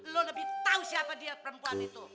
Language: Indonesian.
lo lebih tahu siapa dia perempuan itu